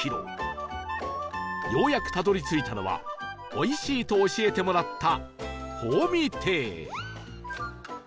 ようやくたどり着いたのはおいしいと教えてもらった